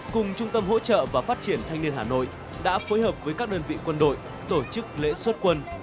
cùng trung tâm hỗ trợ và phát triển thanh niên hà nội đã phối hợp với các đơn vị quân đội tổ chức lễ xuất quân